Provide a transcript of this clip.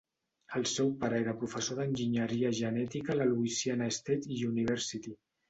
El seu pare era professor d'Enginyeria Genètica a la Louisiana State University.